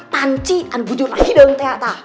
panci akan bujur lagi dong teater